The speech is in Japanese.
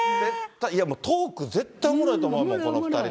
いや、もうトーク絶対おもろいと思うもん、この２人の。